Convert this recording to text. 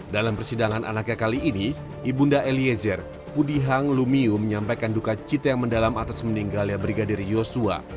dalam persidangan anaknya kali ini ibunda eliezer pudihang lumiu menyampaikan duka cita yang mendalam atas meninggalnya brigadir yosua